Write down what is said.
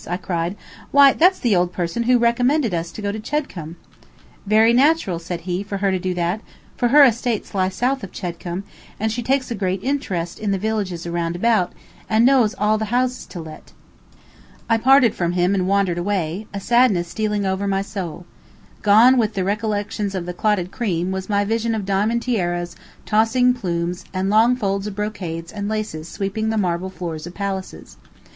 I cried. "Why, that's the old person who recommended us to go to Chedcombe." "Very natural," said he, "for her to do that, for her estates lie south of Chedcombe, and she takes a great interest in the villages around about, and knows all the houses to let." I parted from him and wandered away, a sadness stealing o'er my soul. Gone with the recollections of the clotted cream was my visions of diamond tiaras, tossing plumes, and long folds of brocades and laces sweeping the marble floors of palaces.